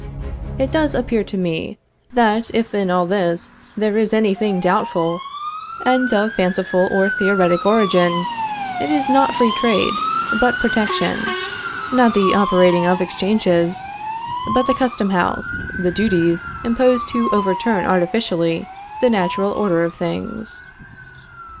It does appear to me, that, if in all this there is any thing doubtful, and of fanciful or theoretic origin, it is not free trade, but protection; not the operating of exchanges, but the custom house, the duties, imposed to overturn artificially the natural order of things.